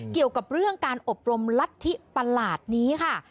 เกี่ยวกับเรื่องการอบรมรัฐธิประหลาดนี้ค่ะ